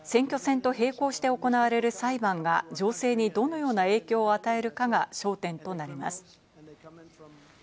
今後、選挙選と並行して行われる裁判が情勢にどのような影響を与えるかが焦点となります。